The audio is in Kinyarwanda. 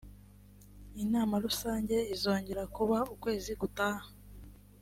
inama rusange izongera kuba ukwezi gutaha